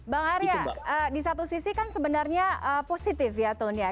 bang arya di satu sisi kan sebenarnya positif ya tone ya